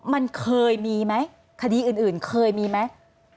มันเคยมีไหมคดีอื่นเคยมีไหม